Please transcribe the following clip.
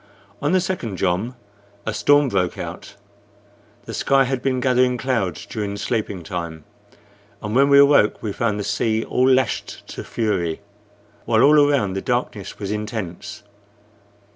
On the second jom a storm broke out. The sky had been gathering clouds during sleeping time, and when we awoke we found the sea all lashed to fury, while all around the darkness was intense.